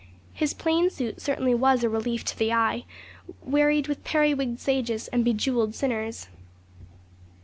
His plain suit certainly was a relief to the eye, wearied with periwigged sages and bejewelled sinners.